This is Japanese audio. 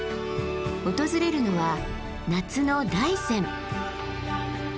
訪れるのは夏の大山。